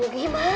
aduh gimana ya